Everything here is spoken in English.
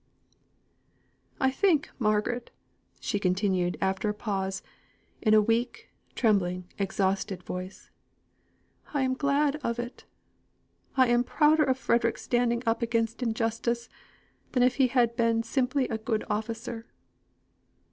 "I think, Margaret," she continued, after a pause, in a weak, trembling, exhausted voice, "I am glad of it I am prouder of Frederick standing up against injustice, than if he had been simply a good officer."